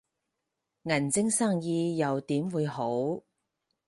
銀晶生意又點會好